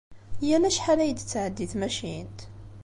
Yal acḥal ay d-tettɛeddi tmacint?